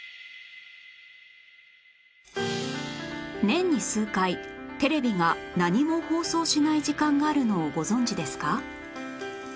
年に数回テレビが何も放送しない時間があるのをご存じですか？